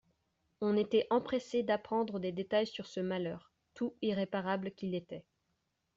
On était empressé d'apprendre des détails sur ce malheur, tout irréparable qu'il était.